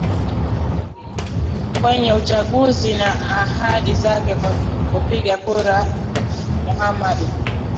kwenye uchaguzi na ahadi zake kwa wapiga kura Muhammadu